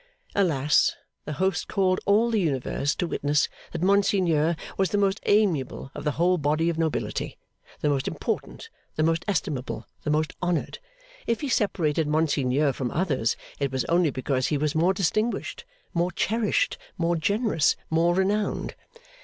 Alas! The host called all the universe to witness that Monseigneur was the most amiable of the whole body of nobility, the most important, the most estimable, the most honoured. If he separated Monseigneur from others, it was only because he was more distinguished, more cherished, more generous, more renowned.